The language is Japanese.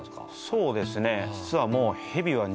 そうですね。